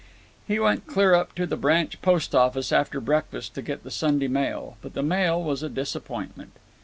He went clear up to the branch post office after breakfast to get the Sunday mail, but the mail was a disappointment.